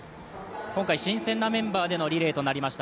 今回、新鮮なメンバーでのリレーとなりました。